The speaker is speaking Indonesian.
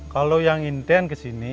kalau yang intent ke sini